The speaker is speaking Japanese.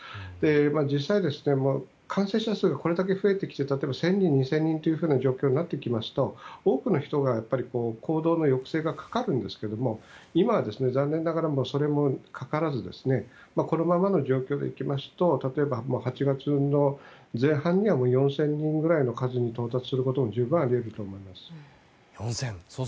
実際、感染者数がこれだけ増えてきて１０００人、２０００人という状況になってきますと多くの人が行動の抑制がかかるんですが今、残念ながらそれもかからずこのままの状況でいきますと８月前半には４０００人ぐらいの数に到達することも十分にあり得ると思います。